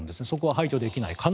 そこは排除できない。